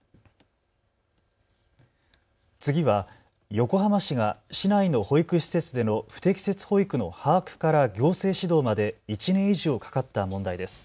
次は横浜市が市内の保育施設での不適切保育の把握から行政指導まで１年以上かかった問題です。